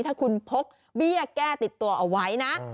ถ้าคุณพกเบี้ยแก้ติดตัวเอาไว้นะ